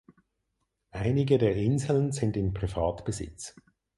Einige der Inseln sind in Privatbesitz.